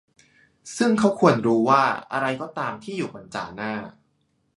ซึ่งเขาควรรู้ว่าอะไรก็ตามที่อยู่บนจ่าหน้า